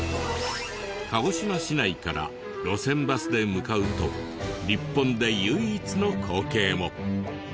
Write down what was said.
鹿児島市内から路線バスで向かうと日本で唯一の光景も。